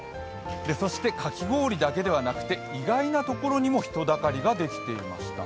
そしてかき氷だけではなくて意外なところにも人だかりができていました。